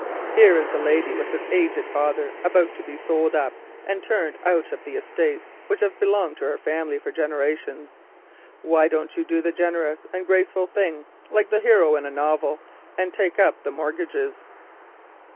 Here is the lady with her aged father about to be sold up and turned out of the estates which have belonged to her family for generations—why don't you do the generous and graceful thing, like the hero in a novel, and take up the mortgages?"